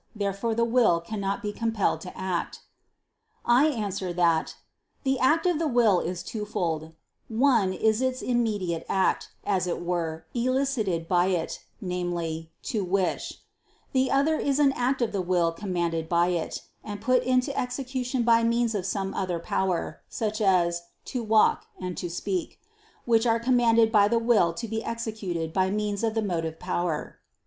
Therefore the will cannot be compelled to act. I answer that, The act of the will is twofold: one is its immediate act, as it were, elicited by it, namely, "to wish"; the other is an act of the will commanded by it, and put into execution by means of some other power, such as "to walk" and "to speak," which are commanded by the will to be executed by means of the motive power.